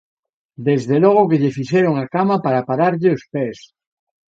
Desde logo que lle fixeron a cama para pararlle os pés